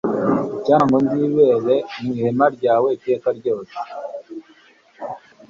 icyampa ngo nibere mu ihema ryawe iteka ryose